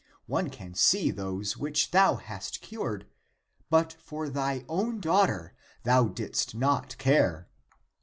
One can see those which thou hast cured ; but for thy own daughter thou didst not care."